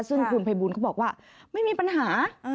ซึ่งคุณภัยบูลเขาบอกว่าไม่มีปัญหา